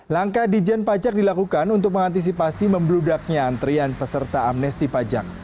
langkah dijen pajak dilakukan untuk mengantisipasi membludaknya antrian peserta amnesti pajak